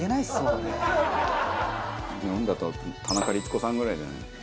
日本だと田中律子さんぐらいじゃないの？